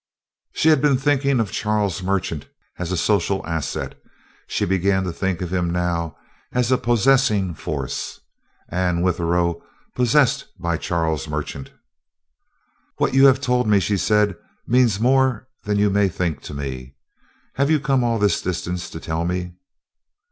She had been thinking of Charles Merchant as a social asset; she began to think of him now as a possessing force. Anne Withero possessed by Charlie Merchant! "What you have told me," she said, "means more than you may think to me. Have you come all this distance to tell me?"